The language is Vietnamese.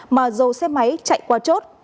mà dồ xe máy chạy qua chốt